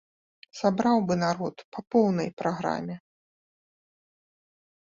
Сабраў бы народ па поўнай праграме.